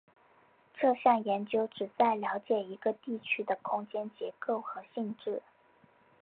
这项研究旨在了解一个地区的空间结构和性质。